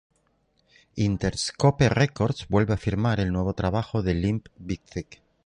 Interscope Records vuelve a firmar el nuevo trabajo de Limp Bizkit.